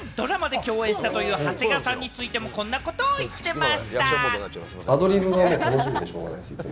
さらにドラマで共演したという長谷川さんについても、こんなことを言ってました。